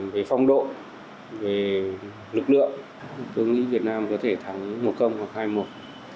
về phong độ về lực lượng tôi nghĩ việt nam có thể thắng một công hoặc hai một